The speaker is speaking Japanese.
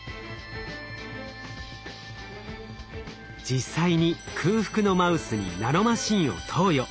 実際に空腹のマウスにナノマシンを投与。